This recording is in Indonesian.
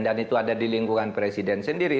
dan itu ada di lingkungan presiden sendiri